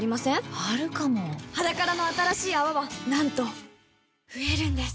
あるかも「ｈａｄａｋａｒａ」の新しい泡はなんと増えるんです